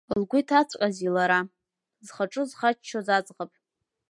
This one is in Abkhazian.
Лгәы иҭаҵәҟьази лара, зхаҿы зхаччоз аӡӷаб.